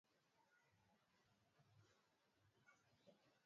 na lubumbashi katika jamhuri ya kidemokrasia ya congo bila kusahau wewe wamajunga